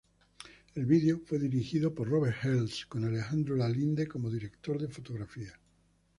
El video fue dirigido por Robert Hales, con Alejandro Lalinde como director de fotografía.